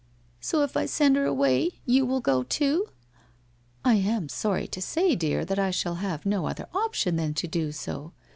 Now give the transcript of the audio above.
* So if I send her away, you will go too? '' I am sorry, to say, dear, that I shall have no other op tion than to do so!